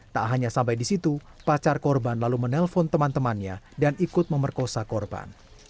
tak hanya sampai di situ pacar korban lalu menelpon teman temannya dan ikut memerkosa korban